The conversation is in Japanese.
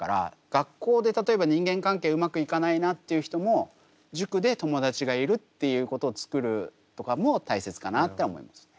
学校で例えば人間関係うまくいかないなっていう人も塾で友達がいるっていうことをつくるとかも大切かなって思いますね。